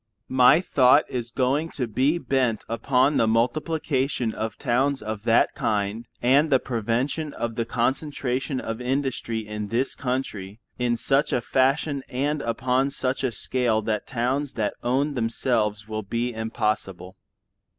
My thought is going to be bent upon the multiplication of towns of that kind and the prevention of the concentration of industry in this country in such a fashion and upon such a scale that towns that own themselves will be impossible.